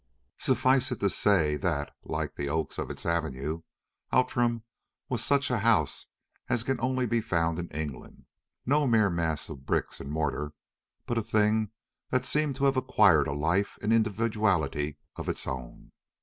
Suffice it to say that, like the oaks of its avenue, Outram was such a house as can only be found in England; no mere mass of bricks and mortar, but a thing that seemed to have acquired a life and individuality of its own.